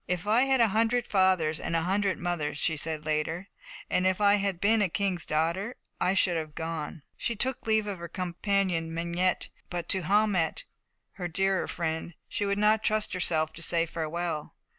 "If I had had a hundred fathers and a hundred mothers," she said later, "and if I had been a king's daughter, I should have gone." She took leave of her companion Mengette, but to Haumette, her dearer friend, she would not trust herself to say farewell.